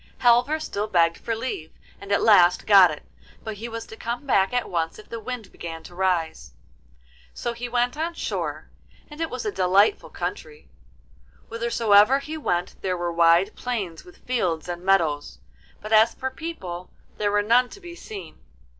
Halvor still begged for leave, and at last got it, but he was to come back at once if the wind began to rise. So he went on shore, and it was a delightful country; whithersoever he went there were wide plains with fields and meadows, but as for people, there were none to be seen.